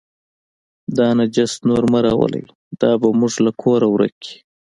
دا نجس نور مه راولئ، دا به موږ له کوره ورک کړي.